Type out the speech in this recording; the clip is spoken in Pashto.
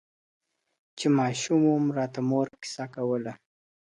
چي ماشوم وم را ته مور کیسه کوله `